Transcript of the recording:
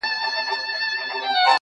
دا څنګه چل دی د ژړا او د خندا لوري.